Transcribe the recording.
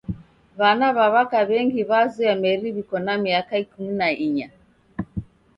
W'ana w'a w'aka w'engi w'azoya meri w'iko na miaka ikumi na inya.